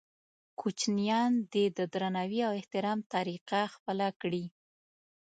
کوچنیان دې د درناوي او احترام طریقه خپله کړي.